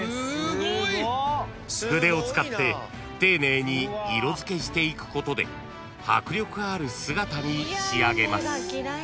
［筆を使って丁寧に色付けしていくことで迫力ある姿に仕上げます］